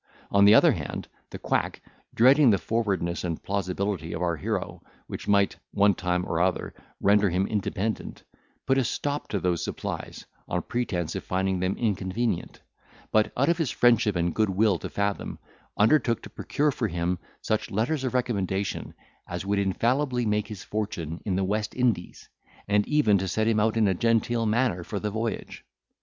On the other hand, the quack, dreading the forwardness and plausibility of our hero, which might, one time or other, render him independent, put a stop to those supplies, on pretence of finding them inconvenient; but, out of his friendship and goodwill to Fathom, undertook to procure for him such letters of recommendation as would infallibly make his fortune in the West Indies, and even to set him out in a genteel manner for the voyage.